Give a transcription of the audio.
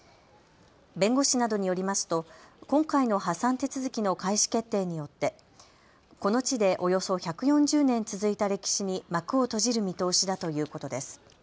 弁護士などによりますと今回の破産手続きの開始決定によってこの地でおよそ１４０年続いた歴史に幕を閉じる見通しだということです。